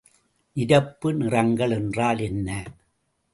நிரப்பு நிறங்கள் என்றால் என்ன?